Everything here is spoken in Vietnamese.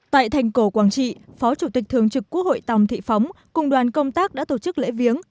tại thành cổ quảng trị phó chủ tịch thường trực quốc hội tòng thị phóng cùng đoàn công tác đã tổ chức lễ viếng